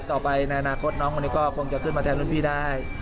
ต่อไปในอนาคตน้องคนนี้ก็คงจะขึ้นมาแทนรุ่นพี่ได้